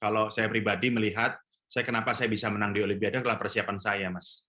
kalau saya pribadi melihat kenapa saya bisa menang di olimpiade adalah persiapan saya mas